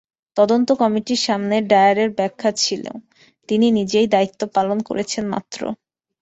তদন্ত কমিটির সামনে ডায়ারের ব্যাখ্যা ছিল, তিনি নিজের দায়িত্ব পালন করেছেন মাত্র।